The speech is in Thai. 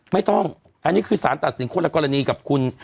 ไม่ต้องอันนี้คือสารตัดสินคนละกรณีกับคุณ